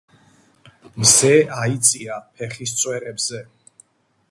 მზე აიწია ფეხის წვერებზე.